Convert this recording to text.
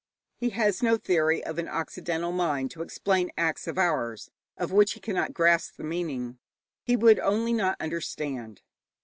He has no theory of an occidental mind to explain acts of ours of which he cannot grasp the meaning; he would only not understand.